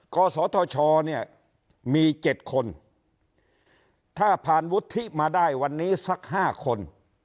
กศธชเนี่ยมี๗คนถ้าผ่านวุฒิมาได้วันนี้สัก๕คน